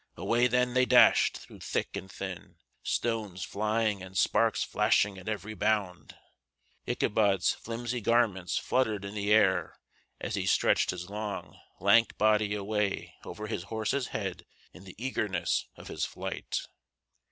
Away, then, they dashed through thick and thin, stones flying and sparks flashing at every bound. Ichabod's flimsy garments fluttered in the air as he stretched his long lank body away over his horse's head in the eagerness of his flight.